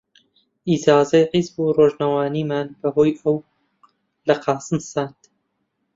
ئیجازەی حیزب و ڕۆژنامەمان بە هۆی ئەو لە قاسم ساند